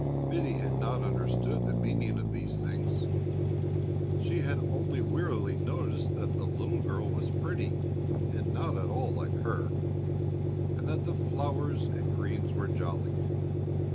Biddy had not understood the meaning of these things; she had only wearily noticed that the little girl was pretty, and not at all like her, and that the flowers and greens were "jolly."